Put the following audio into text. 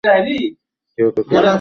কেউ তোকে রোজগার করতে বলেনি।